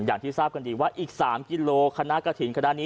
อย่างที่ทราบกันดีว่าอีก๓กิโลกรัมคณะกระถิ่น